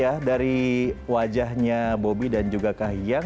kita lihat ya dari wajahnya bobby dan juga kahian